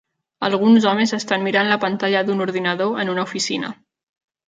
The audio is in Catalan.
Alguns homes estan mirant la pantalla d'un ordinador en una oficina.